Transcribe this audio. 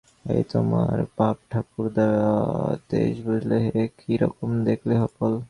এই তোমার বাপ-ঠাকুরদার দেশ বুঝলে হে, কি রকম দেখলে বল?